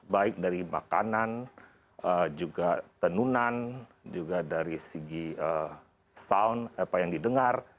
baik dari makanan juga tenunan juga dari segi sound apa yang didengar